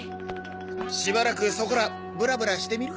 しばらくそこらブラブラしてみるか。